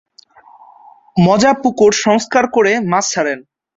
মজা পুকুর সংস্কার করে মাছ ছাড়েন।